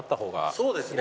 そうですね。